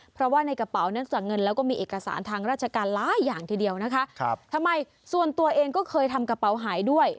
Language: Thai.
เพราะว่าในกระเป๋าเนื่องจากเงินแล้วก็มีเอกสารทางราชการหลายอย่างทีเดียวนะคะทำไมส่วนตัวเองก็เคยทำกระเป๋าหายด้วย